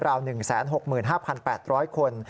ราว๑๖๕๘๐๐คน